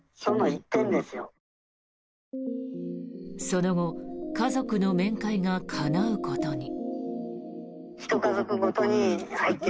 その後家族の面会がかなうことに。